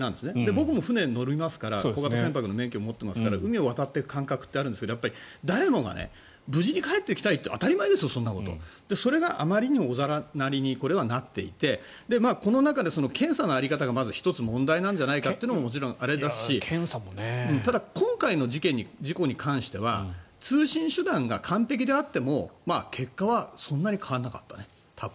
僕も船に乗りますから小型船舶の免許も持っていますから海を渡っていく感覚というのはあるんですが、誰もが無事に帰ってきたいってそんなことは当たり前ですよでもこれはそれがあまりにもおざなりになっていてこの中で検査の在り方がまず１つ問題じゃないかというのももちろんあれですしただ、今回の事故に関しては通信手段が完璧であっても結果はそんなに変わらなかったね。